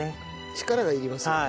力がいりますよね。